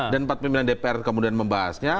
dan empat pimpinan dpr kemudian membahasnya